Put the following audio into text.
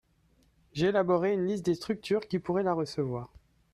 j'ai élaboré une liste des structures qui pourrait la recevoir.